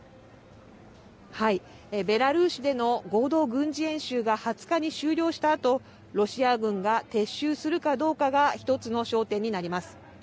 ベラルーシでの合同軍事演習が２０日に終了したあと、ロシア軍が撤収するかどうかが１つの焦点になります。